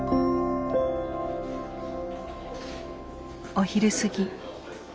お昼過ぎ。